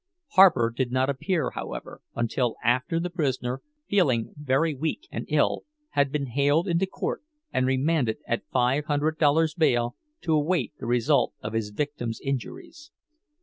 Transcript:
Harper did not appear, however, until after the prisoner, feeling very weak and ill, had been hailed into court and remanded at five hundred dollars' bail to await the result of his victim's injuries.